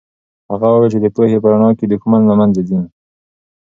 هغه وویل چې د پوهې په رڼا کې دښمني له منځه ځي.